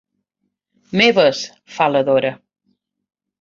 Meves! —fa la Dora—.